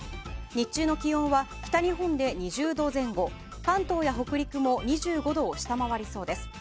日中の気温は北日本で２０度前後関東や北陸も２５度を下回りそうです。